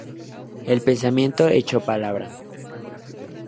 El pensamiento hecho palabra".